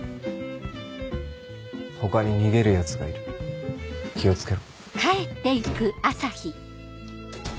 他に逃げるヤツがいる気を付けろ。